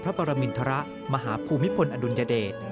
พระปรมินทรัพย์มหาภูมิพลอัลยเดช